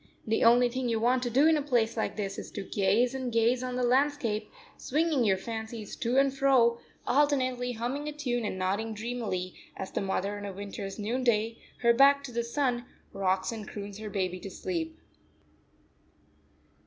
The only thing you want to do in a place like this is to gaze and gaze on the landscape, swinging your fancies to and fro, alternately humming a tune and nodding dreamily, as the mother on a winter's noonday, her back to the sun, rocks and croons her baby to sleep.